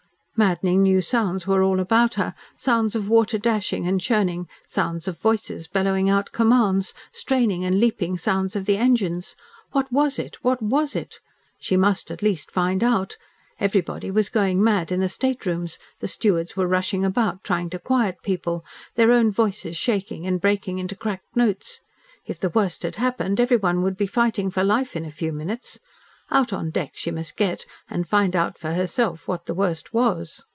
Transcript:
Maddening new sounds were all about her, sounds of water dashing and churning, sounds of voices bellowing out commands, straining and leaping sounds of the engines. What was it what was it? She must at least find out. Everybody was going mad in the staterooms, the stewards were rushing about, trying to quiet people, their own voices shaking and breaking into cracked notes. If the worst had happened, everyone would be fighting for life in a few minutes. Out on deck she must get and find out for herself what the worst was.